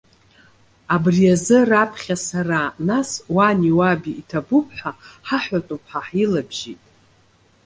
Абри азы раԥхьа сара, нас уани уаби иҭабуп ҳәа ҳаҳәатәуп ҳәа ҳилабжьеит.